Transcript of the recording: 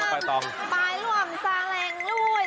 ไปล่วงซาแหลงด้วย